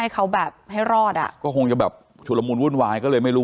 ก็คงจะแบบฉุระมูลวุ่นวาย